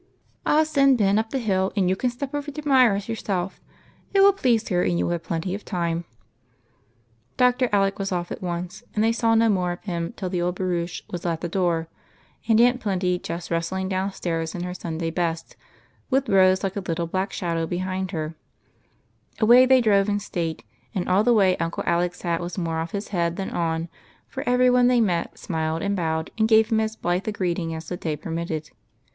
" I '11 send Ben up the hill, and you can step over to Myra's yourself ; it will please her, and you will have plenty of time." Dr. Alec was off at once, and they saw no more of him till the old barouche was at the door, and Aunt Plenty just rustling downstairs in her Sunday best, with Rose like a little black shadow behind her. 2» c 34 EIGHT COUSINS. Away they drove in state, and all the way Uncle Alec's hat was more off his head than on, for every one they met smiled and bowed, and gave him as blithe a greeting as the day permitted.